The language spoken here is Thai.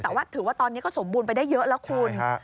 แต่ว่าถือว่าตอนนี้ก็สมบูรณ์ไปได้เยอะแล้วคุณ